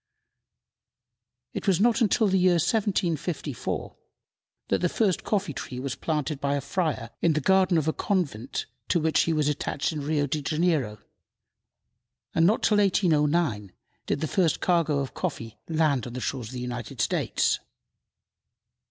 It was not till the year 1754 that the first coffee tree was planted by a friar in the garden of the convent to which he was attached in Rio Janeiro, and not till 1809 did the first cargo of coffee land on the shores of the United States.